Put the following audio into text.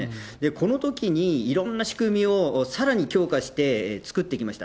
このときに、いろんな仕組みをさらに強化して作ってきました。